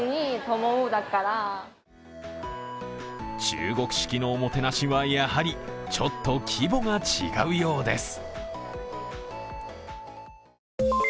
中国式のおもてなしはやはりちょっと規模が違うようです。